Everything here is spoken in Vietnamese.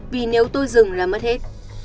vì nếu tôi dừng là mất hết